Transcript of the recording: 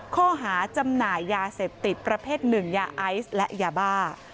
ข้อหาจำหน่ายยาเสพติดประเภทหนึ่งยาไอซ์และยาบ้า